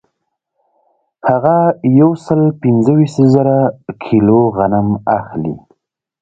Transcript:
هغه یو سل پنځه ویشت زره کیلو غنم اخلي